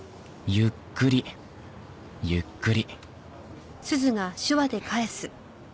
ゆっくりゆっくり。